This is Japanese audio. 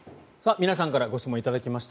皆さんからご質問を頂きました。